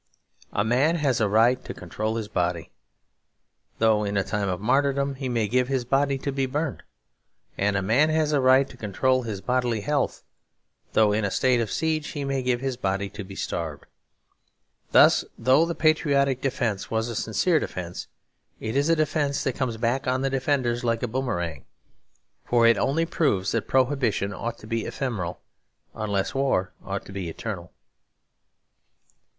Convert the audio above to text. A man has a right to control his body, though in a time of martyrdom he may give his body to be burned; and a man has a right to control his bodily health, though in a state of siege he may give his body to be starved. Thus, though the patriotic defence was a sincere defence, it is a defence that comes back on the defenders like a boomerang. For it proves only that Prohibition ought to be ephemeral, unless war ought to be eternal.